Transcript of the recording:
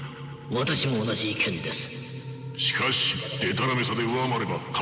私も同じ意見です。